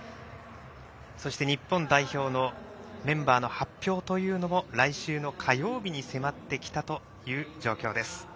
そして日本代表のメンバーの発表というのも来週の火曜日に迫ってきたという状況です。